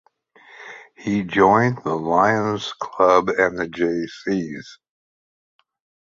He joined the Lions Club and the Jaycees.